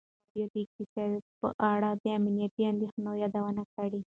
ازادي راډیو د اقتصاد په اړه د امنیتي اندېښنو یادونه کړې.